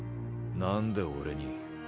何で俺に？